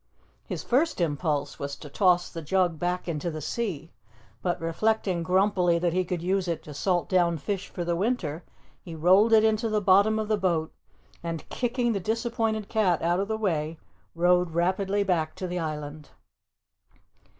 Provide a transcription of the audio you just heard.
His first impulse was to toss the jug back into the sea, but reflecting grumpily that he could use it to salt down fish for the winter, he rolled it into the bottom of the boat and, kicking the disappointed cat out of the way, rowed rapidly back to the island.